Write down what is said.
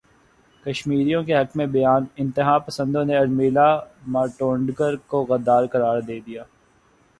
کشمیریوں کے حق میں بیان انتہا پسندوں نے ارمیلا ماٹونڈکر کو غدار قرار دے دیا